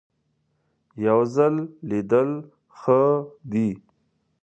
یو ځل لیدل ښه دي .